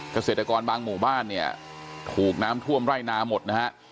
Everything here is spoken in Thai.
เกษตรกรบางหมู่บ้านเนี่ยถูกน้ำท่วมไร่นาหมดนะฮะ